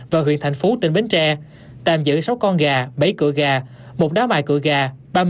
và huyện thành phú tỉnh bến tre tạm giữ sáu con gà bảy cửa gà một đá mài cửa gà